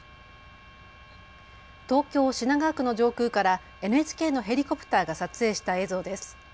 東京品川区の上空からＮＨＫのヘリコプターが撮影した映像です。